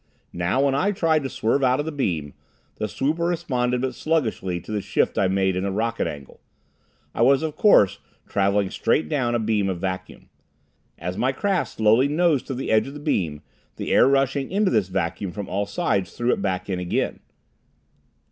Now, when I tried to swerve out of the beam, the swooper responded but sluggishly to the shift I made in the rocket angle. I was, of course, traveling straight down a beam of vacuum. As my craft slowly nosed to the edge of the beam, the air rushing into this vacuum from all sides threw it back in again.